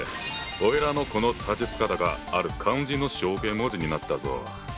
おいらのこの立ち姿がある漢字の象形文字になったぞ。